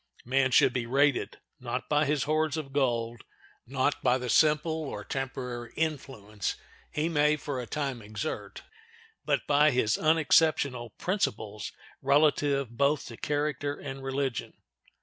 Man should be rated, not by his hoards of gold, not by the simple or temporary influence he may for a time exert, but by his unexceptionable principles relative both to character and religion.